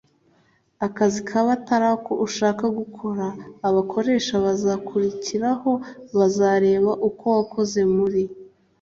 akazi kaba atari ko ushaka gukora abakoresha bazakurikiraho bazareba uko wakoze muri